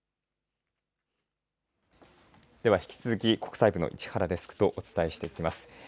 では引き続き国際部の市原デスクとお伝えしていきます。